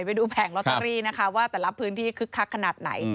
แผงลอตเตอรี่นะคะว่าแต่ละพื้นที่คึกคักขนาดไหน